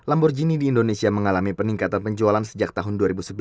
lamborghini di indonesia mengalami peningkatan penjualan sejak tahun dua ribu sebelas